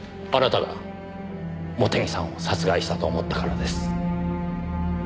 あなたが茂手木さんを殺害したと思ったからです。